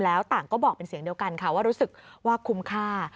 แล้วต่างก็บอกเป็นเสียงเดียวกันค่ะว่ารู้สึกว่าคุ้มค่า